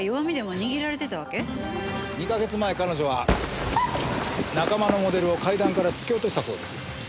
２か月前彼女は仲間のモデルを階段から突き落としたそうです。